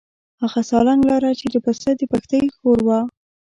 هغه سالنګ لاره کې د پسه د پښتۍ ښوروا.